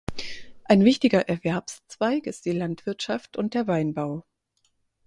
Ein wichtiger Erwerbszweig ist die Landwirtschaft und der Weinbau.